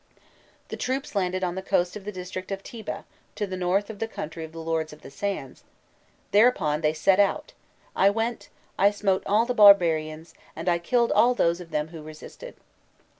The troops landed on the coast of the district of Tiba, to the north of the country of the Lords of the Sands, thereupon "they set out. I went, I smote all the barbarians, and I killed all those of them who resisted."